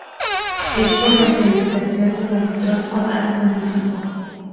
Es por la esterificación de manitol con ácido nítrico.